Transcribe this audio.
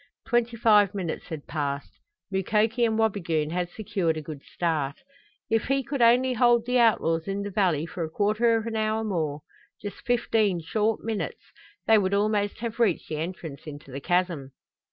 Twenty five minutes had passed. Mukoki and Wabigoon had secured a good start. If he could only hold the outlaws in the valley for a quarter of an hour more just fifteen short minutes they would almost have reached the entrance into the chasm.